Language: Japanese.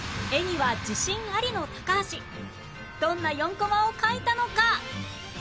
どんな４コマを描いたのか？